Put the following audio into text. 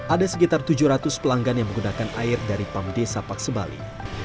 ada sekitar tujuh ratus pelanggan yang menggunakan air dari pam desa paksebali